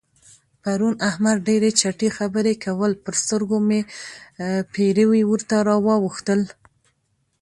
پرون احمد ډېرې چټي خبرې کول؛ پر سترګو مې پېروي ورته راواوښتل.